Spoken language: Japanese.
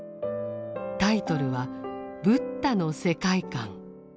タイトルは「ブッダの世界観」。